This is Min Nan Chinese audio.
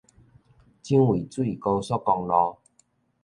蔣渭水高速公路